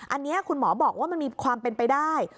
อันนี้คุณหมอบอกว่ามันมีความเป็นไปได้